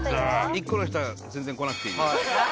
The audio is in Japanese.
１個の人は全然来なくていい。